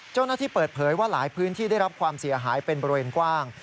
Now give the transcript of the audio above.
เจ้าหน้าที่เปิดเผยว่าหลายพื้นที่ได้รับความเสียหายเป็นบริเวณกว้าง